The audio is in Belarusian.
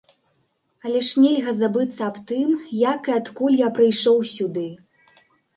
Але ж нельга забыцца аб тым, як і адкуль я прыйшоў сюды.